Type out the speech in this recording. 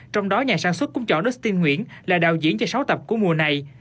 trong đó nhà sản xuất cũng chọn nustin nguyễn là đạo diễn cho sáu tập của mùa này